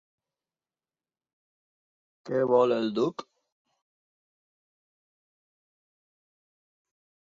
Què vol el duc?